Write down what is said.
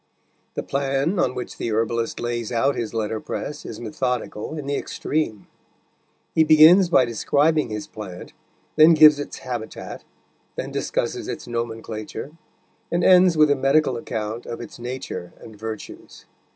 The plan on which the herbalist lays out his letterpress is methodical in the extreme. He begins by describing his plant, then gives its habitat, then discusses its nomenclature, and ends with a medical account of its nature and virtues.